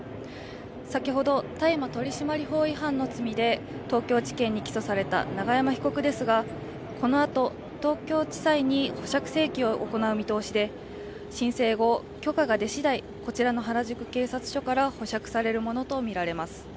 先ほど、大麻取締法違反の罪で東京地検に起訴された永山被告ですがこのあと東京地裁に保釈請求を行う見通しで申請後、許可が出しだい、こちらの原宿警察署から保釈されるものとみられます。